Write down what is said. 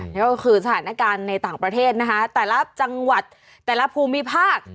นั่นก็คือสถานการณ์ในต่างประเทศนะคะแต่ละจังหวัดแต่ละภูมิภาค